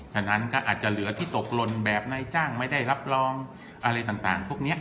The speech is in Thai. ฉะนั้นก็อาจจะเหลือที่ตกหล่นแบบนายจ้างไม่ได้รับรองอะไรต่างพวกนี้